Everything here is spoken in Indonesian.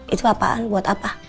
itu apaan buat apa